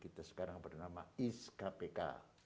kita sekarang bernama iskpk